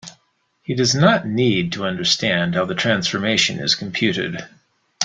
He does not need to understand how the transformation is computed.